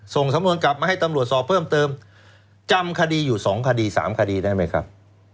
ส่งสำนวนกลับมาให้ตำรวจสอบเพิ่มเติมจำคดีอยู่๒คดี๓คดีได้ไหมครับ